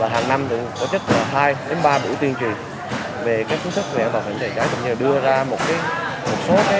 hàng năm cũng có chức hai ba buổi tuyên truyền về các kỹ thức về an toàn phòng cháy cháy